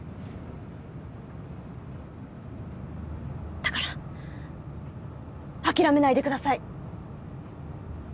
だから諦めないでください。